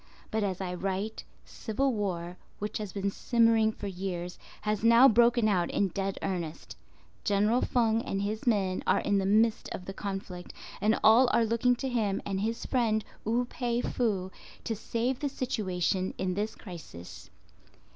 But as I write, civil war, which has been simmering for years, has now broken out in dead earnest, General Feng and his men are in the midst of the conflict and all are looking to him and his friend Wu pei fu to save the situation in this crisis.